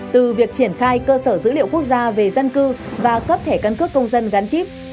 từ việc triển khai cơ sở dữ liệu quốc gia về dân cư và cấp thẻ căn cước công dân gắn chip